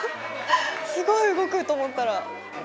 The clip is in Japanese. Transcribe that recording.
すごい動くと思ったら。